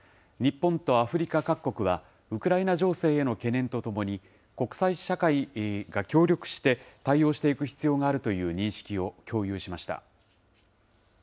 日本とアフリカ各国は、ウクライナ情勢への懸念とともに、国際社会が協力して対応していく必要があるという認識を共有しました。